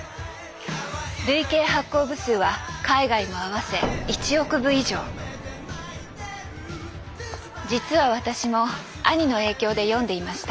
累計発行部数は海外も合わせ実は私も兄の影響で読んでいました。